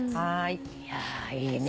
いやいいね。